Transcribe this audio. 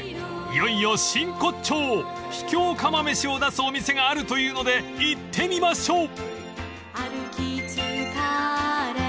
いよいよ真骨頂秘境釜めしを出すお店があるというので行ってみましょう］